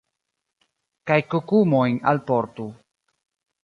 Kaj kukumojn alportu.